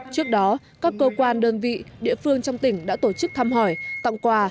trước đó các cơ quan đơn vị địa phương trong tỉnh đã tổ chức thăm hỏi tặng quà